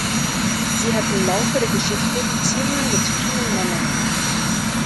Sie hat im Laufe der Geschichte Beziehungen mit vielen Männern.